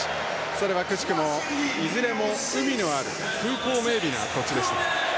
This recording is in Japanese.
それはくしくも、いずれも海のある風光明美な土地でした。